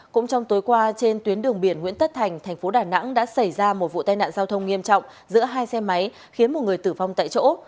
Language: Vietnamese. cũng trong tối qua trên tuyến đường biển nguyễn tất thành thành phố đà nẵng đã xảy ra một vụ tai nạn giao thông nghiêm trọng giữa hai xe máy khiến một người tử vong tại chỗ